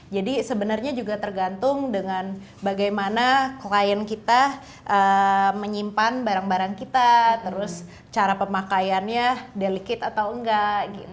jadi sebenarnya juga tergantung dengan bagaimana klien kita menyimpan barang barang kita terus cara pemakaiannya delicate atau enggak gitu